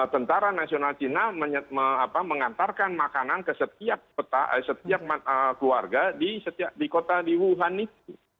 tentara nasional cina mengantarkan makanan ke setiap keluarga di kota di wuhan itu